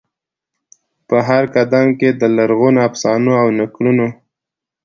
په هرقدم کې د لرغونو افسانو او د نکلونو،